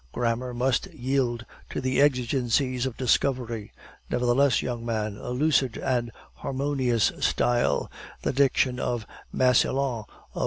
"Grammar must yield to the exigencies of discovery. Nevertheless, young man, a lucid and harmonious style the diction of Massillon, of M.